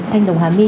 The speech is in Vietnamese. thanh đồng hà my